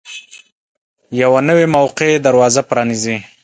یوه نوې موقع دروازه پرانیزي.